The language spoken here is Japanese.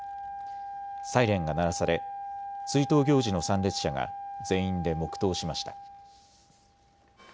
サイレンが鳴らされ追悼行事の参列者が全員で黙とうしました。